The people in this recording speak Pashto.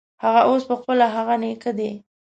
هغه اوس پخپله هغه نیکه دی.